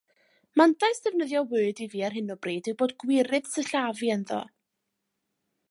Mantais defnyddio Word i fi ar hyn o bryd yw bod gwirydd sillafu ynddo.